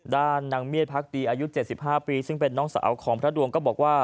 นางเมียดพักดีอายุ๗๕ปีซึ่งเป็นน้องสาวของพระดวงก็บอกว่า